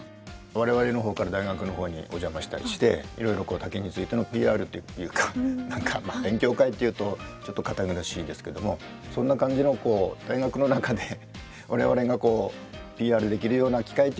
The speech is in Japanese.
我々の方から大学の方にお邪魔したりしていろいろ竹についてのＰＲっていうか何か勉強会っていうとちょっと堅苦しいですけどもそんな感じのこう大学の中で我々がＰＲできるような機会というのはできるんですかね。